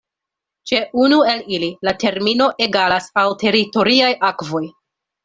Ĉe unu el ili la termino egalas al teritoriaj akvoj.